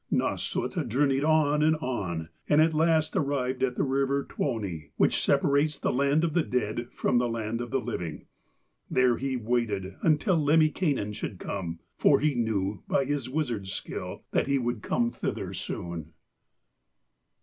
Nasshut journeyed on and on, and at last arrived at the river Tuoni, which separates the land of the dead from the land of the living. There he waited until Lemminkainen should come, for he knew, by his wizard's skill, that he would come thither soon.